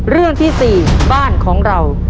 เรื่องที่๔บ้านของเรา